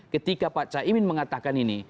ketika pak cak imin mengatakan ini